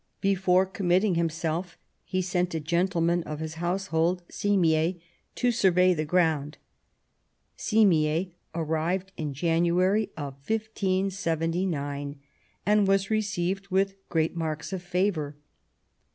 Before committing himself he sent a gentleman of his household, • Simier, to survey the ground. Simier arrived in January, 1579, and was received with great marks of favour.